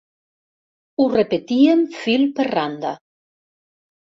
Ho repetíem fil per randa.